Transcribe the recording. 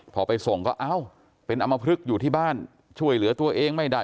พอไปส่งก็เอ้าเป็นอำมพลึกอยู่ที่บ้านช่วยเหลือตัวเองไม่ได้